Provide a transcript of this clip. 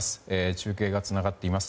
中継がつながっています。